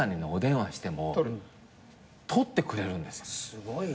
すごいな。